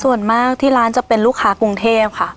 ส่วนมากที่ร้านจะเป็นลูกค้ากรุงเทพค่ะ